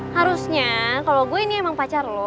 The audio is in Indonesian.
harusnya kalau gue ini emang pacar loh